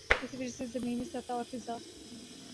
اسی وجہ سے زمینی سطح اور فضا